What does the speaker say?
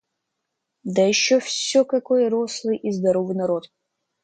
Да еще всё какой рослый и здоровый народ!